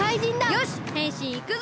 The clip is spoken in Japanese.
よしへんしんいくぞ！